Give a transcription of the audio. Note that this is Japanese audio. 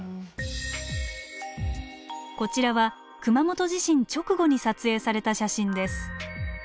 こちらは熊本地震直後に撮影された写真です。